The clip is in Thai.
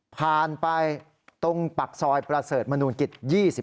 ผ่านไปตรงปากซอยประเสริฐมนุนกิจ๒๔